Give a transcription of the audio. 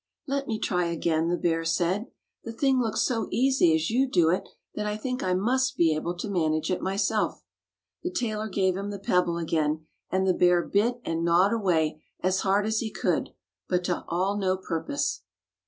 "Let me try again," the bear said. "The thing looks so easy as you do it that I think I must be able to manage it myself." The tailor gave him the pebble again, and the bear bit and gnawed away as hard as he could, but all to no purpose.